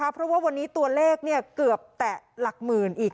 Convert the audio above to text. เพราะว่าวันนี้ตัวเลขเกือบแต่หลักหมื่นอีก